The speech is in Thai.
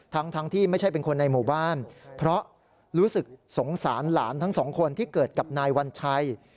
ทั้งที่ไม่ใช่เป็นคนในหมู่บ้านเพราะรู้สึกสงสารหลานทั้งสองคนที่เกิดกับนายวัญชัย